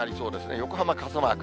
横浜、傘マーク。